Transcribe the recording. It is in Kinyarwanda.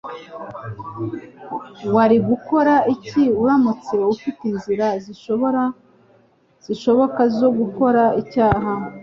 Wari gukora iki uramutse ufite inzira zishoboka zo gukora icyaha ?